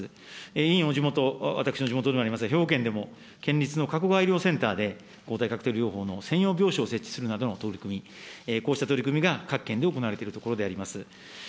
委員、お地元、私の地元でもありますが、兵庫県でも、県立のかこがわ医療センターで抗体カクテル療法の専用病床を設置するなどの取り組みが各県で行われているところであります。